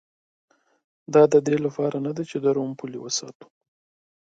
دا د دې لپاره نه چې د روم پولې وساتي